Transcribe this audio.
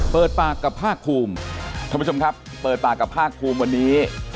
เปิดปากกับภาคภูมิท่านผู้ชมครับเปิดปากกับภาคภูมิวันนี้